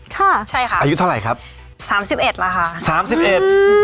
ค่ะใช่ค่ะอายุเท่าไหร่ครับสามสิบเอ็ดแล้วค่ะสามสิบเอ็ด